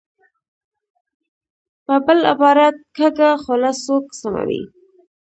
په بل عبارت، کږه خوله سوک سموي.